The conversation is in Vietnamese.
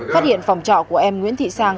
phát hiện phòng trọ của em nguyễn thị sang